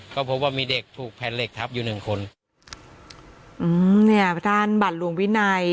ก็พบว่ามีเด็กถูกแผ่นเหล็กทับอยู่หนึ่งคนอืมเนี่ยพระท่านบัตรลวงวินัย